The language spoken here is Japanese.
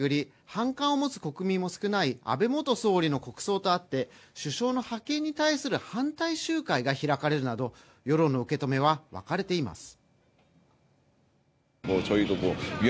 反感を持つ国民も少なくない安倍元総理の国葬とあって、首相の派遣に対する反対集会が開かれるなど世論の受け止めは分かれています。